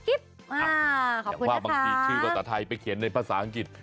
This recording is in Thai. ขอบคุณนะคะอยากว่าบางทีชื่อตัวแต่ไทยไปเขียนในภาษาอังกฤษ